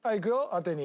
当てに。